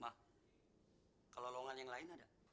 ma kalau longan yang lain ada